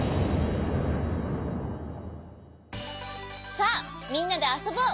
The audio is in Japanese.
さあみんなであそぼう！